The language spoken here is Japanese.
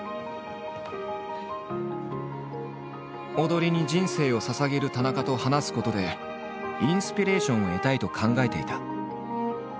踊りに人生をささげる田中と話すことでインスピレーションを得たいと考えていた。